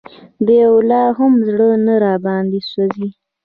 د یوه لا هم زړه نه راباندې سوزي